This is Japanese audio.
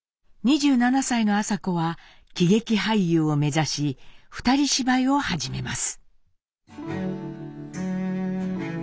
２７歳の麻子は喜劇俳優を目指し二人芝居を始めます。